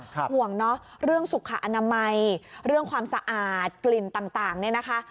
ห่วงเนอะเรื่องสุขอนามัยเรื่องความสะอาดกลิ่นต่างเนี่ยนะคะ